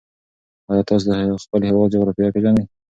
ایا تاسې د خپل هېواد جغرافیه پېژنئ؟